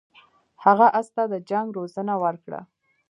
هغه اس ته د جنګ روزنه ورکړه.